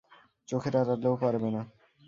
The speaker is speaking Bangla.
চোখের আড়ালেও পারবে না।